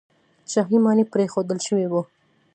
شاهي ماڼۍ پرېښودل شوې وې.